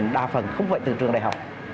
đa phần không phải từ trường đại học